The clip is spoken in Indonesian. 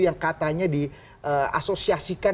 yang katanya di asosiasikan